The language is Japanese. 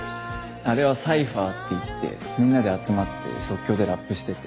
あれはサイファーっていってみんなで集まって即興でラップしてて。